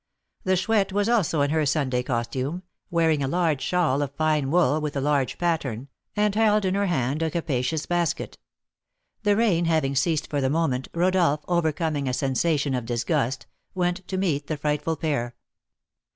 The Chouette was also in her Sunday costume, wearing a large shawl of fine wool, with a large pattern, and held in her hand a capacious basket. The rain having ceased for the moment, Rodolph, overcoming a sensation of disgust, went to meet the frightful pair.